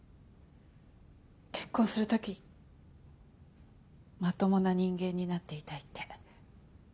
結婚する時まともな人間になっていたいって。